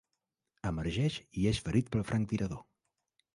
Emergeix i és ferit pel franctirador.